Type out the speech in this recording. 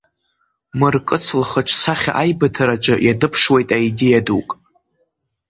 Мыркыц лхаҿсахьа аибыҭараҿы ианыԥшуеит аидеиа дук.